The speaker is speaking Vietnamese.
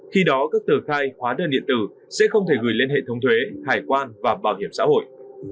khi đó các tờ khai hóa đơn điện tử sẽ không thể gửi lên hệ thống thuế hải quan và bảo hiểm xã hội